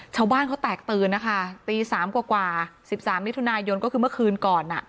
ชาวบ้านเขาแตกตื่นนะคะตี๓กว่า๑๓มิถุนายนก็คือเมื่อคืนก่อน